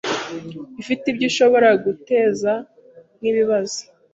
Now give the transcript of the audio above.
ifite ibyo ishobora guteza nk’ibibazo.